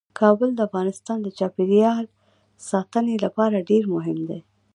کابل د افغانستان د چاپیریال ساتنې لپاره ډیر مهم دی.